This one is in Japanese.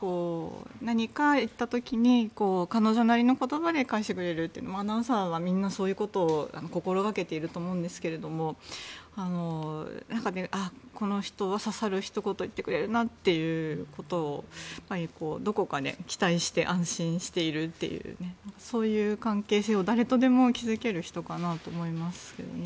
何か言った時に彼女なりの言葉で返してくれるというアナウンサーはみんなそういうことを心掛けていると思うんですがこの人は刺さるひと言を言ってくれるなということをどこかで期待して安心しているというそういう関係性を誰とでも築ける人かなと思いますよね。